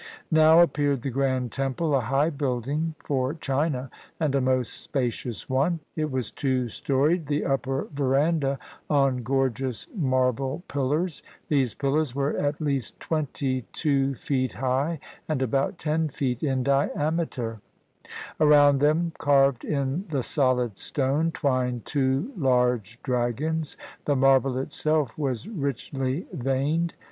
Now appeared the Grand Temple, a high building, for China, and a most spacious one: it was two storied, the upper veranda on gorgeous marble pillars; these pillars were at least twenty two feet high, and about ten feet in diam eter; around them, carved in the solid stone, twined two large dragons; the marble itself was richly veined.